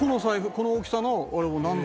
この大きさの。